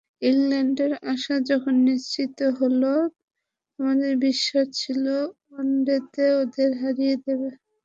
ইংল্যান্ডের আসা যখন নিশ্চিত হলো, আমাদের বিশ্বাস ছিল ওয়ানডেতে ওদের হারিয়ে দেব।